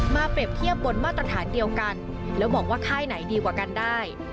เปรียบเทียบบนมาตรฐานเดียวกันแล้วมองว่าค่ายไหนดีกว่ากันได้